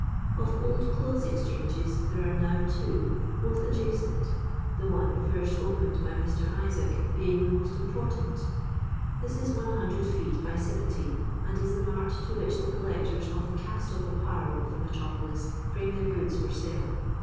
Of Old Clothes Exchanges there are nbw two, both adjacent, the one first opened by Mr. Isaac being the most important. This is 100 feet by 70, and is the mart to which the collectors of the cast off apparel of the metropolis bring their goods for sale.